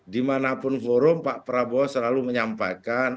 dimanapun forum pak prabowo selalu menyampaikan